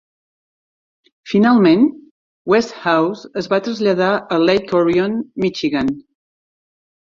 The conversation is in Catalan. Finalment, Guest House es va traslladar a Lake Orion, Michigan.